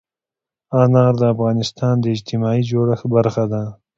انار د افغانستان د اجتماعي جوړښت برخه ده.